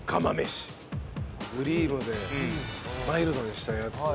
クリームでマイルドにしたやつ。